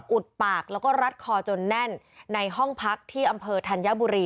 อุดปากแล้วก็รัดคอจนแน่นในห้องพักที่อำเภอธัญบุรี